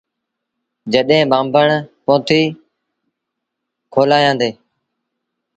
جڏهيݩ ٻآنڀڻ پوٿيٚ کولآيآندي۔